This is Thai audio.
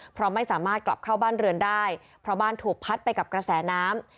เพราะไม่สามารถกลับเข้าบ้านเรือนได้เพราะบ้านถูกพัดไปกับกระแสน้ำ